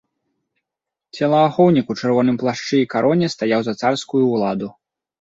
Целаахоўнік у чырвоным плашчы і кароне стаяў за царскую ўладу.